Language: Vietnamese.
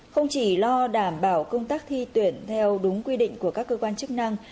không chỉ lo đảm bảo công tác thi tuyển theo đúng quy định của các cơ quan chức năng